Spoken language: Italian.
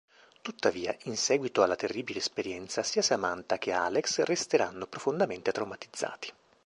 Tuttavia in seguito alla terribile esperienza sia Samantha che Alex resteranno profondamente traumatizzati.